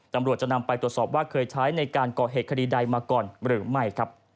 ตำรวจจะนำไปตรวจสอบว่าเคยใช้ในการก่อเหตุคดีใดมาก่อนหรือไม่